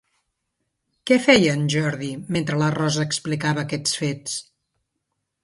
Què feia en Jordi mentre la Rosa explicava aquests fets?